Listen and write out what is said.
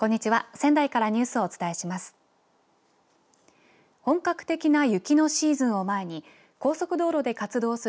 仙台からニュースをお伝えします。